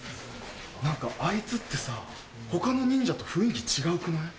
何かあいつってさ他の忍者と雰囲気違くない？